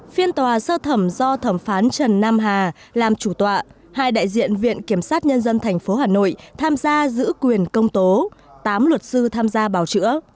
phiên tòa sơ thẩm do thẩm phán trần nam hà làm chủ tọa hai đại diện viện kiểm sát nhân dân tp hà nội tham gia giữ quyền công tố tám luật sư tham gia bào chữa